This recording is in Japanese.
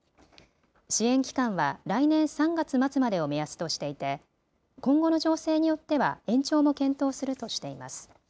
支援期間は来年３月末までを目安としていて今後の情勢によっては延長も検討するとしています。